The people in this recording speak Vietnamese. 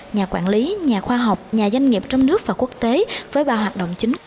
nhà quản lý nhà khoa học nhà doanh nghiệp trong nước và quốc tế với ba hoạt động chính